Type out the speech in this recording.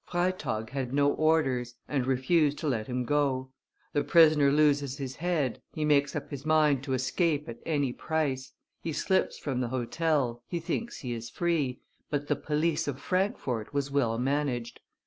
Freytag had no orders, and refused to let him go; the prisoner loses his head, he makes up his mind to escape at any price, he slips from the hotel, he thinks he is free, but the police of Frankfort was well managed.